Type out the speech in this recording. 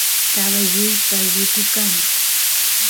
caballuy pashuku kan